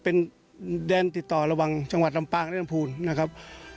เป็นแดนติดต่อระหว่างจังหวัดลำปางและลำพูนนะครับ